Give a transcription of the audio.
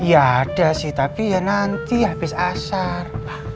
ya ada sih tapi ya nanti habis asar